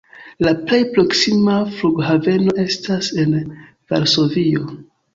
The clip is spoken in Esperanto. La plej proksima flughaveno estas en Varsovio.